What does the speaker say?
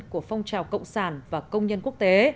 của phong trào cộng sản và công nhân quốc tế